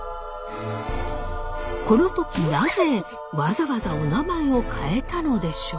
この時なぜわざわざおなまえを変えたのでしょう？